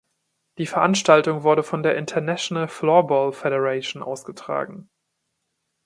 Die Veranstaltung wurde von der International Floorball Federation ausgetragen.